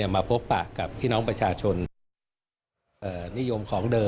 มาพบปากกับพี่น้องประชาชนนิยมของเดิม